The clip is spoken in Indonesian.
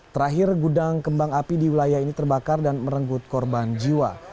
terakhir gudang kembang api di wilayah ini terbakar dan merenggut korban jiwa